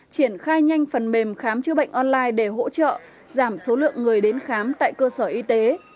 triển khai nhanh phần mềm khám chữa bệnh online để hỗ trợ giảm số lượng người đến khám tại cơ sở y tế